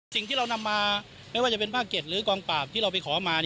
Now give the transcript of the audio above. สิ่งที่เรานำมาไม่ว่าจะเป็นภาค๗หรือกองปราบที่เราไปขอมา